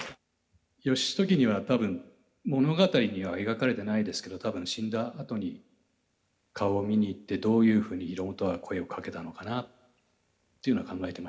「義時には多分物語には描かれてないですけど多分死んだあとに顔を見に行ってどういうふうに広元は声をかけたのかなっていうのは考えてましたね。